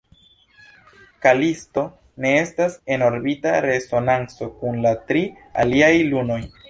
Kalisto ne estas en orbita resonanco kun la tri aliaj lunoj.